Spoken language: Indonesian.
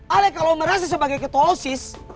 alek kalau merasa sebagai ketuosis